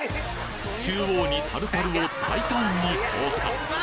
中央にタルタルを大胆に投下。